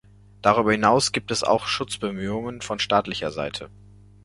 Darüber hinaus gibt es auch Schutzbemühungen von staatlicher Seite.